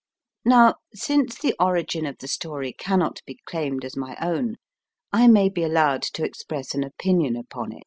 Now, since the origin of the story cannot be claimed as my own, I may be allowed to express an opinion upon it.